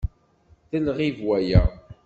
D lɣib waya.